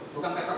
bukan paper bag